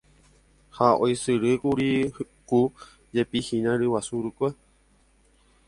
ha oisyrykuryku jepi hína ryguasu rykue